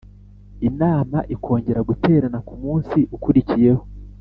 Inama ikongera guterana ku munsi ukurikiyeho